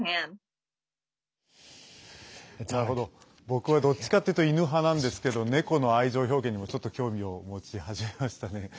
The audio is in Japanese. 僕は、どっちかっていうと犬派なんですけど猫の愛情表現にもちょっと興味を持ち始めましたね。